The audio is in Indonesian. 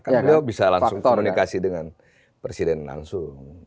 kan beliau bisa langsung komunikasi dengan presiden langsung